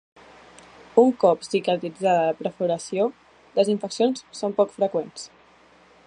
Un cop cicatritzada la perforació, les infeccions són poc freqüents.